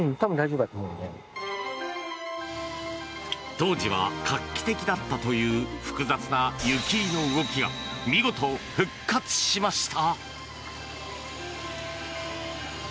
当時は画期的だったという複雑な湯切りの動きが見事、復活しました。